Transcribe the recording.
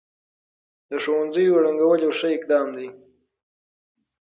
د ښوونځيو رنګول يو ښه اقدام دی.